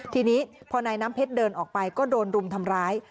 ทีนี้พอนายน้ำเพชรเดินออกไปก็โดนรุมทำร้าย